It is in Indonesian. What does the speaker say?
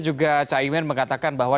juga cah imin mengatakan bahwa